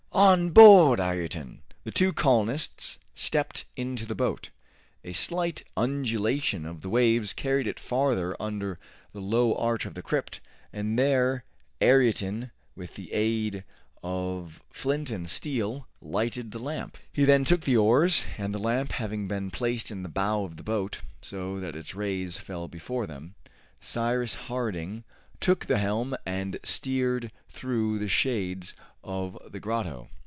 "On board, Ayrton!" The two colonists stepped into the boat. A slight undulation of the waves carried it farther under the low arch of the crypt, and there Ayrton, with the aid of flint and steel, lighted the lamp. He then took the oars, and the lamp having been placed in the bow of the boat, so that its rays fell before them, Cyrus Harding took the helm and steered through the shades of the grotto.